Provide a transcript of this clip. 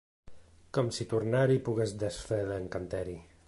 Com si tornar-hi pogués desfer l’encanteri.